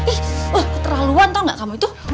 ih terlaluan tau gak kamu itu